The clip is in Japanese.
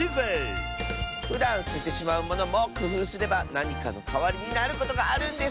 ふだんすててしまうものもくふうすればなにかのかわりになることがあるんです！